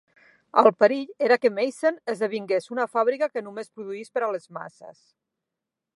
El perill era que Meissen esdevingués una fàbrica que només produís per a les masses.